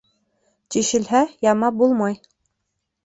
Тишелһә, ямап булмай.